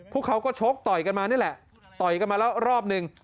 พวกเขาก็ชกต่อยกันมานี่แหละต่อยกันมาแล้วรอบหนึ่ง